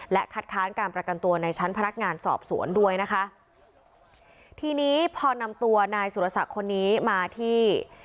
คัดค้านการประกันตัวในชั้นพนักงานสอบสวนด้วยนะคะทีนี้พอนำตัวนายสุรศักดิ์คนนี้มาที่